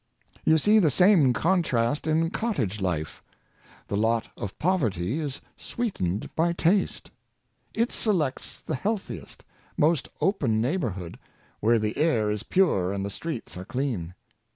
You see the same contrast in cottage life. The lot of poverty is sweetened by taste. It selects the health iest, most open neighborhood, where the air is pure and the streets are clean.